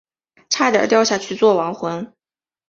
差点掉下去做亡魂